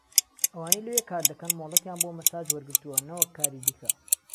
ئەوانەی لەوێ کاردەکەن مۆڵەتیان بۆ مەساج وەرگرتووە نەوەک کاری دیکە